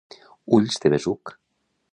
Ulls de besuc.